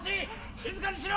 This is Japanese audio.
静かにしろ！